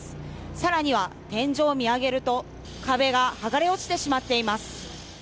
更には、天井を見上げると壁が剥がれ落ちてしまっています。